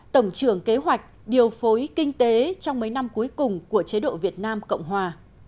tổng trưởng kế hoạch điều phối kinh tế trong mấy năm cuối cùng của chế độ việt nam cộng hòa